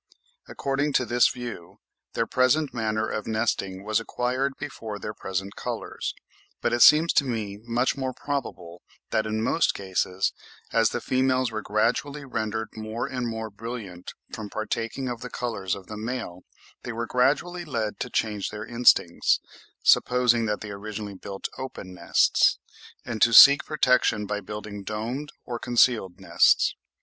According to this view, their present manner of nesting was acquired before their present colours. But it seems to me much more probable that in most cases, as the females were gradually rendered more and more brilliant from partaking of the colours of the male, they were gradually led to change their instincts (supposing that they originally built open nests), and to seek protection by building domed or concealed nests.